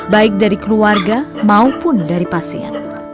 baik dari keluarga maupun dari pasien